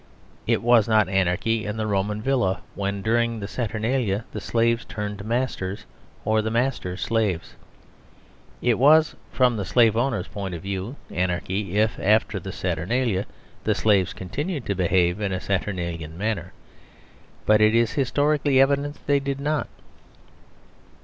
It was not anarchy in the Roman villa when, during the Saturnalia, the slaves turned masters or the masters slaves. It was (from the slave owners' point of view) anarchy if, after the Saturnalia, the slaves continued to behave in a Saturnalian manner; but it is historically evident that they did not.